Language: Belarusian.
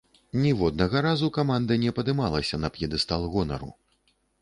Ніводнага разу каманда не падымалася на п'едэстал гонару.